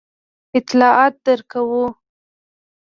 اطلاعات درکوو.